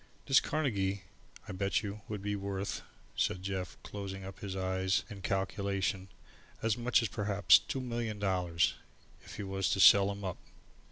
"This Carnegie, I bet you, would be worth," said Jeff, closing up his eyes in calculation, "as much as perhaps two million dollars, if you was to sell him up.